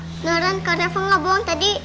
beneran karena rafa nggak bohong tadi